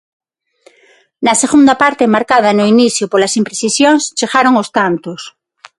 Na segunda parte, marcada no inicio polas imprecisións, chegaron os tantos.